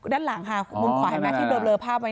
ด้านหลังค่าขอให้แม้ให้เบลอภาพไว้